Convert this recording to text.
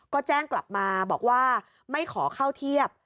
ก็แจ้งกลับมาบอกว่าไม่ขอเข้าเทียบ